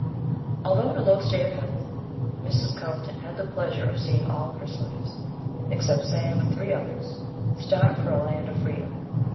Although in a low state of health, Mrs. Carlton had the pleasure of seeing all her slaves, except Sam and three others, start for a land of freedom.